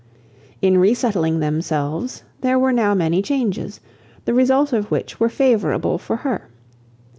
In re settling themselves there were now many changes, the result of which was favourable for her.